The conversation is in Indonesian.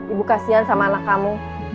ibu kasian sama anak kamu